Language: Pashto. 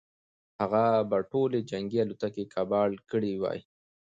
هغه به ټولې جنګي الوتکې کباړ کړې وي.